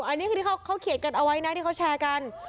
อันนี้คือที่เขาเขียนกันเอาไว้นะที่เขาแชร์กัน